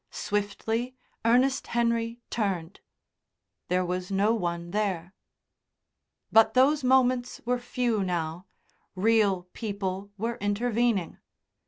Swiftly, Ernest Henry turned. There was no one there. But those moments were few now; real people were intervening.